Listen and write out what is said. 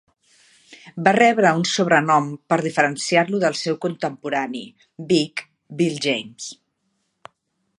Va rebre un sobrenom per diferenciar-lo del seu contemporani, "Big" Bill James.